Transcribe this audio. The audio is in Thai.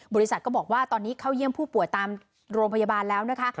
ก็บอกว่าตอนนี้เข้าเยี่ยมผู้ป่วยตามโรงพยาบาลแล้วนะคะ